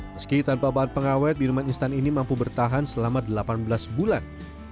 meski tanpa bahan pengawet minuman instan ini mampu bertahan selama delapan belas bulan